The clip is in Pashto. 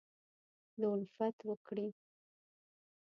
دالفت وکړي